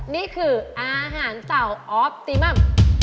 นี่คืออาหารเต่าออฟติมัม